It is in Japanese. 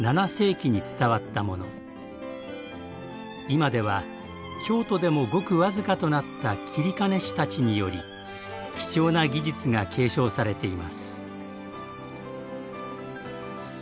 今では京都でもごく僅かとなった截金師たちにより貴重な技術が継承されています。